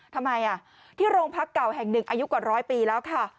ทำไมที่โรงพักเก่าแห่งหนึ่งอายุกว่าร้อยปีแล้วค่ะ